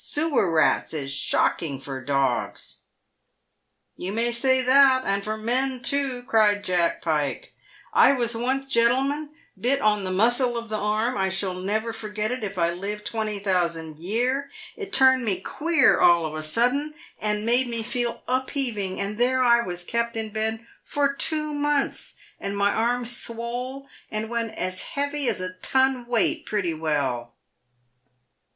Sewer rats is shocking for dogs." " You may say that, and for men too," cried Jack Pike. " I was once, gentlemen, bit on the muscle of the arm, and I shall never for get it if I live twenty thousand year. It turned me queer all of a sudden, and made me feel upheaving, and there I was kept in bed for two months, and my arm swole, and went as heavy as a ton weight pretty well."